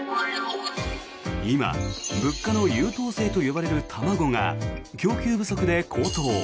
今、物価の優等生と呼ばれる卵が供給不足で高騰。